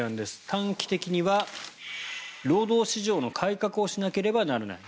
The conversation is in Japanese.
短期的には労働市場の改革をしなければならない。